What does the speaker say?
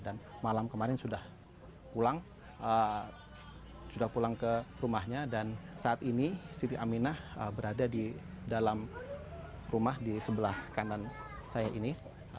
dan malam kemarin sudah pulang sudah pulang ke rumahnya dan saat ini siti aminah berada di dalam rumah di sebelah kanan saya ini